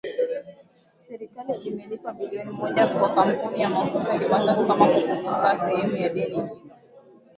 Serikali imelipa bilioni moja kwa makampuni ya mafuta Jumatatu kama kupunguza sehemu ya deni hilo